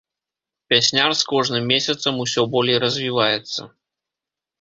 Пясняр з кожным месяцам усё болей развіваецца.